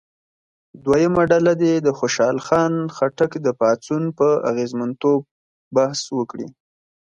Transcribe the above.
دویمه ډله دې د خوشحال خان خټک د پاڅون په اغېزمنتوب بحث وکړي.